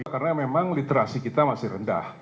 karena memang literasi kita masih rendah